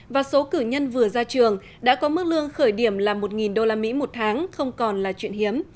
và số cử nhân vừa ra trường đã có mức lương khởi điểm là một usd một tháng không còn là chuyện hiếm